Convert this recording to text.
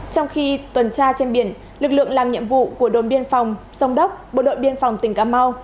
trong khi tuần tra trên biển lực lượng làm nhiệm vụ của đồn biên phòng sông đốc bộ đội biên phòng tỉnh cà mau